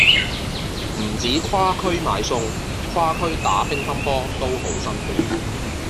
唔止跨區買餸，跨區打乒乓波都好辛苦